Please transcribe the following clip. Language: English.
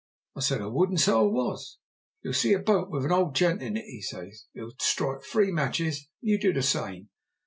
I said I would, and so I was. 'You'll see a boat there with an old gent in it,' says he. 'He'll strike three matches, and you do the same.